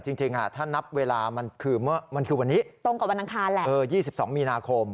จริงถ้านับเวลามันคือมันคือวันนี้ตรงกับวันอังคารแหละ๒๒มีนาคม